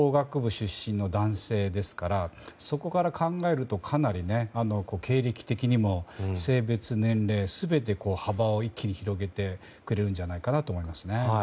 出身の男性ですからそこから考えるとかなり経歴的にも性別、年齢、全て幅を一気に広げてくれるんじゃないかなと思います。